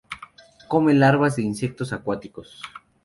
Come larvas de insectos acuáticos.